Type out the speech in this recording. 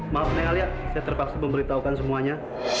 maaf neng alia saya terpaksa memberitahukan semuanya